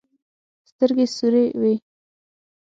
سترګې سورې وې.